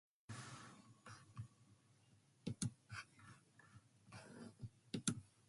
He then retired from playing professionally to become a full-time manager.